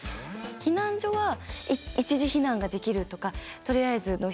避難所は一時避難ができるとかとりあえずの避難ができる。